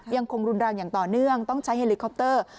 ยังคงรุนแรงอย่างต่อเนื่องต้องใช้เฮลิคอปเตอร์